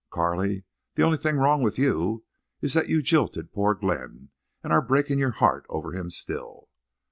"Carley, the only thing wrong with you is that you jilted poor Glenn—and are breaking your heart over him still."